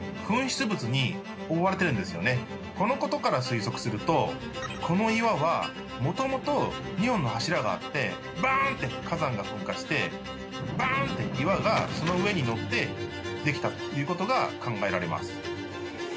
このことから推測するとこの岩はもともと２本の柱があってばーんって火山が噴火してばーんって岩がその上に載ってできたってことが考えられます。